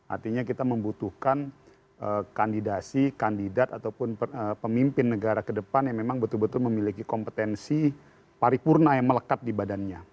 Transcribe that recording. artinya kita membutuhkan kandidasi kandidat ataupun pemimpin negara ke depan yang memang betul betul memiliki kompetensi paripurna yang melekat di badannya